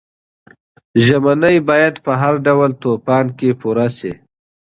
ژمنې باید په هر ډول طوفان کې پوره شي.